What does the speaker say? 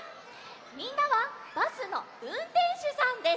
みんなはバスのうんてんしゅさんです。